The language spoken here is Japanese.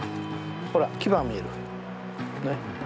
ほら牙が見える。